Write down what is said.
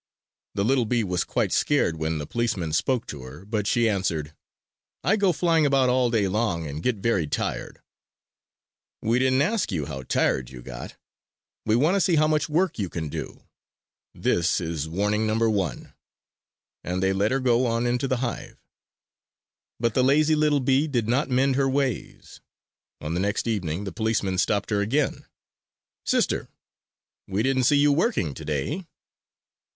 The little bee was quite scared when the policemen spoke to her, but she answered: "I go flying about all day long, and get very tired!" "We didn't ask you how tired you got! We want to see how much work you can do! This is Warning Number 1!" And they let her go on into the hive. But the lazy little bee did not mend her ways. On the next evening the policemen stopped her again: "Sister, we didn't see you working today!"